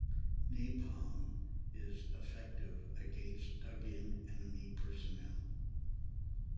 Napalm is effective against dug-in enemy personnel.